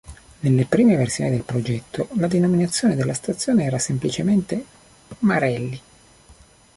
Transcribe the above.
Nelle prime versioni del progetto la denominazione della stazione era semplicemente "Marelli".